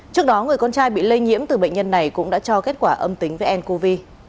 trước đó người con trai bị lây nhiễm từ bệnh nhân này cũng đã cho kết quả âm tính với ncov